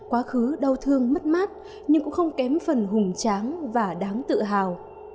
quá khứ đau thương mất mát nhưng cũng không kém phần hùng tráng và đáng tự hào